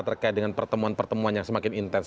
terkait dengan pertemuan pertemuan yang semakin intens